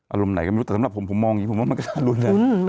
อารมณ์ไหนก็ไม่รู้แต่สำหรับผมผมมองอย่างนี้ผมว่ามันก็น่ารุ้นเลย